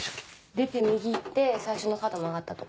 出て右行って最初の角曲がったとこ。